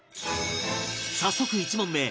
早速１問目